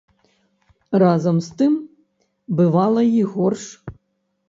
Разам з тым, бывала й горш.